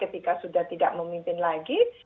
ketika sudah tidak memimpin lagi